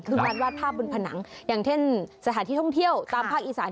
คือการวาดภาพบนผนังอย่างเช่นสถานที่ท่องเที่ยวตามภาคอีสาน